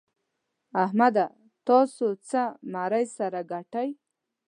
احمده! تاسو څه ميرۍ سره ګټئ؟!